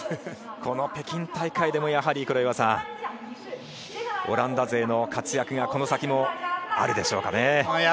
この北京大会でもやはり黒岩さん、オランダ勢の活躍がこの先もあるでしょうかね。